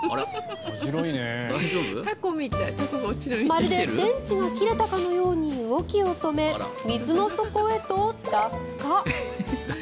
まるで電池が切れたかのように動きを止め水の底へと落下。